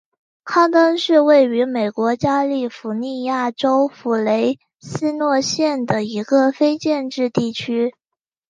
康登是位于美国加利福尼亚州弗雷斯诺县的一个非建制地区。